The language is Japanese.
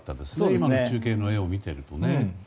今の中継を見ていると。